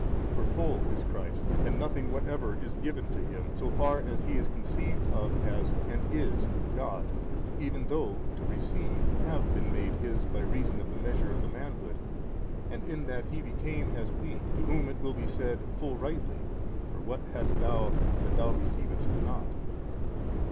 For full is Christ and nothing whatever is given to Him so far as He is conceived of as, and is, God, even though to receive have been made His by reason of the measure of the manhood and in that He became as we, to whom it will be said full rightly, For what hast thou that thou receivedst not?